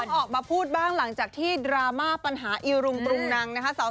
ออกมาพูดบ้างหลังจากที่ดราม่าปัญหาอีรุงนังนะคะ